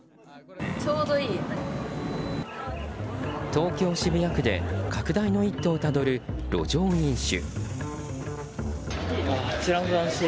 東京・渋谷区で拡大の一途をたどる路上飲酒。